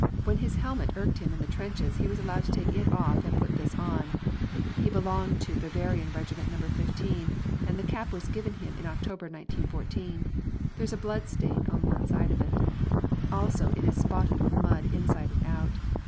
When his helmet irked him in the trenches he was allowed to take it <off and put this on. He belonged to Bavarian Regiment Number Fifteen, and the cap was given him in October, 1914. There is a blood stain on one side of it. Also it is spotted with mud inside and out.